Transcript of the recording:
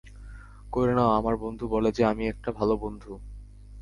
করে নাও, আমার বন্ধু বলে যে, আমি একটা ভালো বন্ধু।